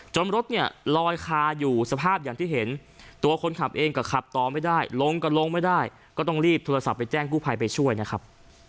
รถเนี่ยลอยคาอยู่สภาพอย่างที่เห็นตัวคนขับเองก็ขับต่อไม่ได้ลงก็ลงไม่ได้ก็ต้องรีบโทรศัพท์ไปแจ้งกู้ภัยไปช่วยนะครับ